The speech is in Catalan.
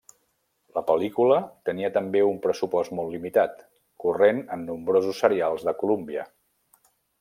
La pel·lícula tenia també un pressupost molt limitat, corrent en nombrosos serials de Columbia.